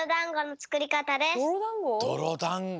どろだんご？